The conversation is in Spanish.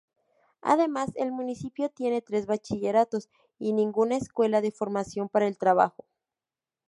Además, el municipio tiene tres bachilleratos y ninguna escuela de formación para el trabajo.